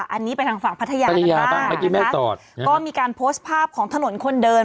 อันนี้เป็นทางฝั่งพัทยาด้านหน้านะครับก็มีการโพสต์ภาพของถนนคนเดิน